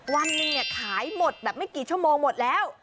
วันหนึ่งเนี่ยขายหมดแบบไม่กี่ชั่วโมงหมดแล้ว